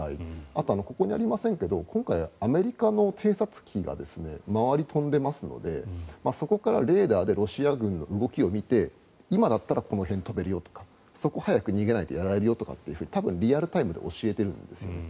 あと、ここにありませんけど今回、アメリカの偵察機が周りを飛んでいますのでそこからレーダーでロシア軍の動きを見て今だったらこの辺、飛べるよとかそこ、早く逃げないとやられるよとか多分、リアルタイムで教えているんですよね。